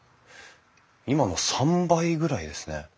今の３倍ぐらいですね。